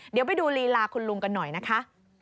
เดี๋ยวไปดูลีลาคุณลุงกันหน่อยนะคะ